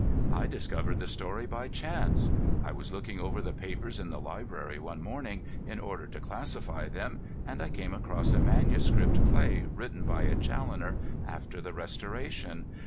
"I discovered the story by chance. I was looking over the papers in the library one morning, in order to classify them, and I came across a manuscript play written by a Challoner after the Restoration.